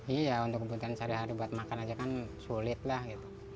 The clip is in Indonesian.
iya untuk kebutuhan sehari hari buat makan aja kan sulit lah gitu